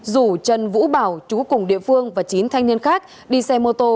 rủ trần vũ bảo chú cùng địa phương và chín thanh niên khác đi xe mô tô